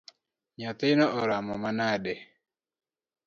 Nyathino oramo manade?